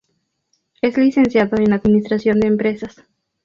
Es licenciado en Administración de Empresas.